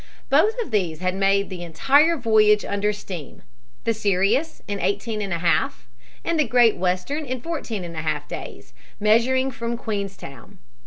Both of these had made the entire voyage under steam, the Sirius, in eighteen and a half and the Great Western in fourteen and a half days, measuring from Queenstown.